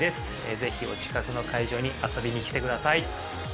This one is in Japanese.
ぜひお近くの会場に遊びにきてください